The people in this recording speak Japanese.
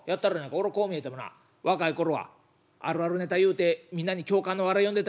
俺こう見えてもな若い頃はあるあるネタ言うてみんなに共感の笑い呼んでたんや。